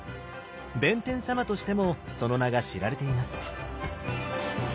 弁天様としてもその名が知られています。